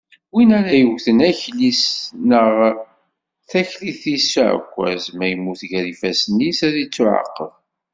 Win ara yewwten akli-s neɣ taklit-is s uɛekkaz, ma yemmut gar ifassen-is, ad ittuɛaqeb.